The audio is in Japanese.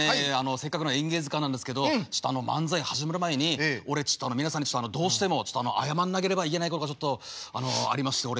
せっかくの「演芸図鑑」なんですけど漫才始める前に俺皆さんにどうしても謝んなければいけないことがちょっとありまして俺。